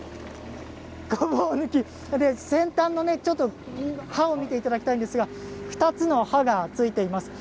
先端の刃を見ていただきたいんですが２つの刃がついています。